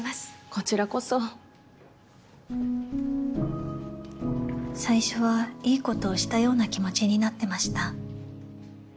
こちらこそ最初はいいことをしたような気持ちになってました。